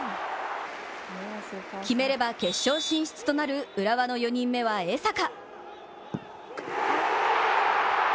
決めれば決勝進出となる浦和の４人目は江坂。